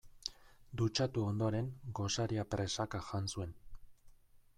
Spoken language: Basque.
Dutxatu ondoren gosaria presaka jan zuen.